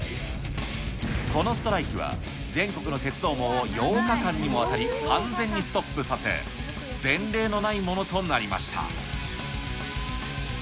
このストライキは、全国の鉄道網を８日間にもわたり完全にストップさせ、前例のないものとなりました。